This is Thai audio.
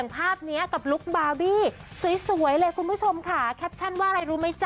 ตัวเหล็กอุ้มง่ายอุ้มได้เอาไปเลย